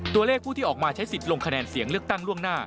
ตัวเลขผู้ที่ออกมาใช้สิทธิ์ลงคะแนนเสียงเลือกตั้งล่วงหน้า